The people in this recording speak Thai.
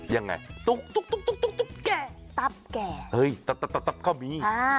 ยังไงตุ๊กตุ๊กตุ๊กตุ๊กแก่ตับแก่เฮ้ยตับตับตับเขามีอ่า